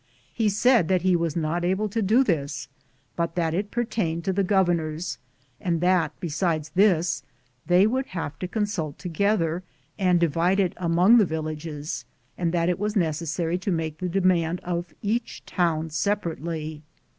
He said that he was not able to do this, but that it pertained to the governors; and that besides this, they would ],!,r,z«j I:, Google THE JOURNEY OP COBONADO have to consult together and divide it among the villages, and that it was necessary to make the demand of each town separately.